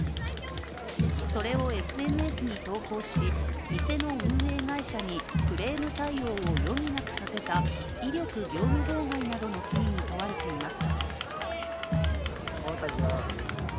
それをＳＮＳに投稿し、店の運営会社にクレーム対応を余儀なくさせた威力業務妨害などの罪に問われています。